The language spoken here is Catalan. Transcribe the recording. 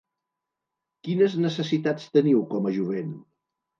Quines necessitats teniu com a jovent?